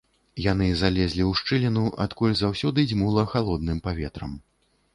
Яны залезлі ў шчыліну, адкуль заўсёды дзьмула халодным паветрам.